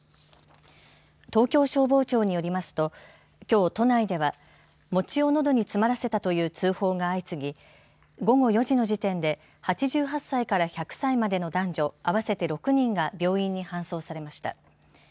東京消防庁によりますときょう、都内では「餅をのどに詰まらせた」という通報が相次ぎ午後４時の時点で８８歳から１００歳までの男女合わせて６人が病院に搬送されました。